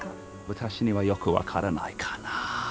私にはよく分からないかな。